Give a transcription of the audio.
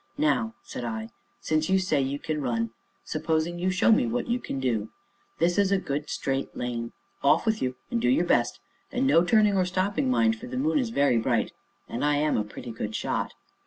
"Now," said I, "since you say you can run, supposing you show me what you can do. This is a good straight lane off with you and do your best, and no turning or stopping, mind, for the moon is very bright, and I am a pretty good shot."